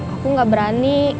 aku gak berani